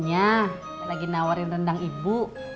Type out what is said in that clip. ya lagi nawarin rendang ibu